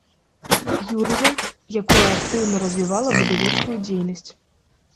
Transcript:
Юрыя, якое актыўна развівала выдавецкую дзейнасць.